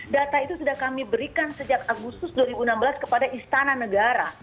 data itu sudah kami berikan sejak agustus dua ribu enam belas kepada istana negara